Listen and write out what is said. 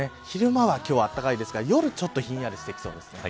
昼間は今日はあったかいですが夜、ちょとひんやりしてきそうです。